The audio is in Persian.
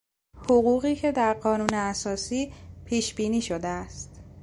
حقوقی که در قانون اساسی پیشبینی شده است